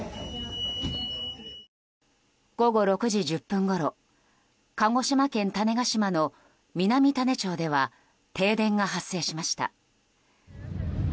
午後６時１０分ごろ鹿児島県種子島の南種子町では停電が発生しました。